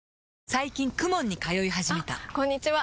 最近 ＫＵＭＯＮ に通い始めたあこんにちは！